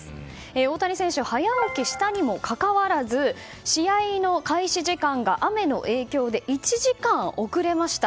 大谷選手早起きしたにもかかわらず試合の開始時間が雨の影響で１時間、遅れました。